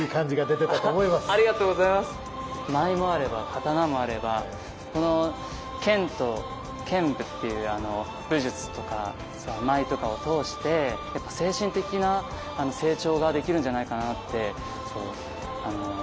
舞もあれば刀もあればこの剣と剣舞っていう武術とか舞とかを通して精神的な成長ができるんじゃないかなって今日通して思いましたね。